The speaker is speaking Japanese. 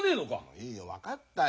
いいよ分かったよ